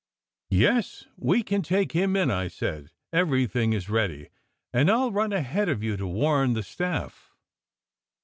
"Yes, we can take him in," I said. "Everything is ready, and I ll run ahead of you to warn the staff."